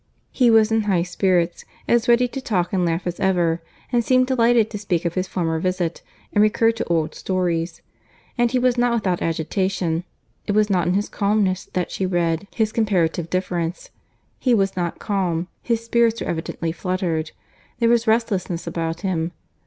He was in high spirits; as ready to talk and laugh as ever, and seemed delighted to speak of his former visit, and recur to old stories: and he was not without agitation. It was not in his calmness that she read his comparative indifference. He was not calm; his spirits were evidently fluttered; there was restlessness about him.